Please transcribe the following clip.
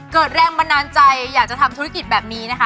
เกิดแรงบันดาลใจอยากจะทำธุรกิจแบบนี้นะคะ